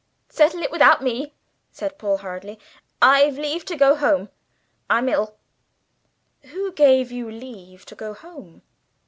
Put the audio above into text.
"Settle it without me," said Paul hurriedly. "I've leave to go home. I'm ill." "Who gave you leave to go home?"